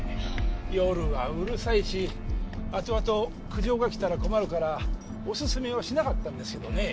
夜はうるさいし後々苦情が来たら困るからおすすめはしなかったんですけどね。